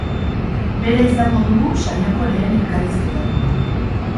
Bera izango dugu saioko lehen elkarrizketatua.